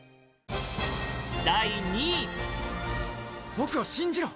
僕を信じろ！